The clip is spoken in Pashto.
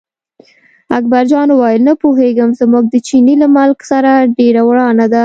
اکبرجان وویل نه پوهېږم، زموږ د چیني له ملک سره ډېره ورانه ده.